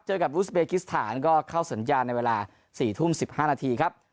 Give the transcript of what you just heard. เจอกับอุสเบกิสถานก็เข้าสัญญาณในเวลา๔ทุ่ม๑๕นาทีครับ